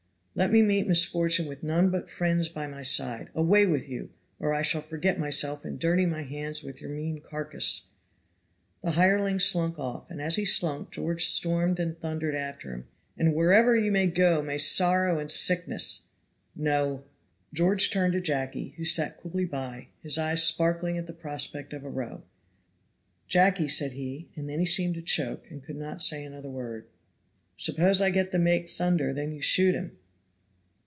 Let me meet misfortune with none but friends by my side. Away with you, or I shall forget myself and dirty my hands with your mean carcass." The hireling slunk off, and as he slunk George stormed and thundered after him, "And wherever you may go, may sorrow and sickness no!" George turned to Jacky, who sat coolly by, his eyes sparkling at the prospect of a row. "Jacky!" said he, and then he seemed to choke, and could not say another word. "Suppose I get the make thunder, then you shoot him."